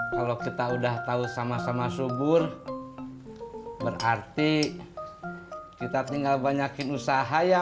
kalau kita udah tahu sama sama subur berarti kita tinggal banyakin usaha ya